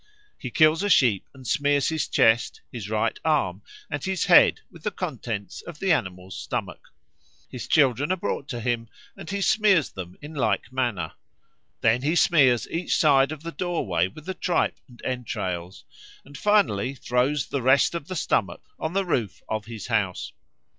He kills a sheep and smears his chest, his right arm, and his head with the contents of the animal's stomach. His children are brought to him and he smears them in like manner. Then he smears each side of the doorway with the tripe and entrails, and finally throws the rest of the stomach on the roof of his house.